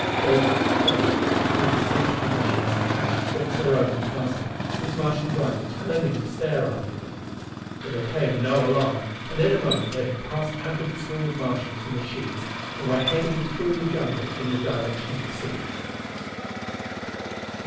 Both gasped as one of the centipede machines clashed against their own in passing, its Martian driver turning to stare after them. But there came no alarm, and in a moment they had passed out of the swarm of Martians and machines and were heading through the jungle in the direction of the city.